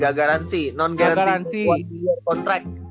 ga garansi non garansi buat dia kontrak